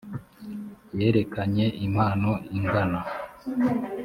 yerekeranye impano ingana